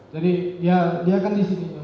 jadi dia kan disini